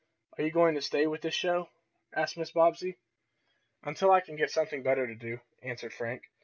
"Are you going to stay with this show?" asked Mrs. Bobbsey. "Until I can get something better to do," answered Frank.